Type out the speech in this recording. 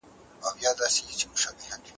د ټولني د رامنځته کیدو علت طبیعي اړتیا ده.